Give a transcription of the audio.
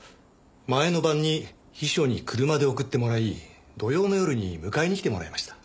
前の晩に秘書に車で送ってもらい土曜の夜に迎えに来てもらいました。